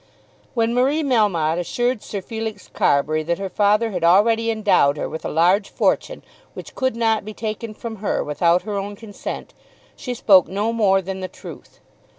When Marie Melmotte assured Sir Felix Carbury that her father had already endowed her with a large fortune which could not be taken from her without her own consent, she spoke no more than the truth.